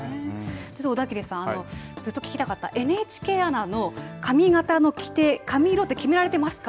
小田切さんずっと聞きたかったＮＨＫアナの髪形の規程髪色って決められていますか。